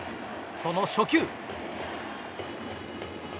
その初球。